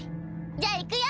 じゃあ行くよ！